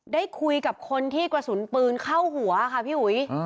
ได้คุยกับคนที่กระสุนปืนเข้าหัวค่ะพี่อุ๋ย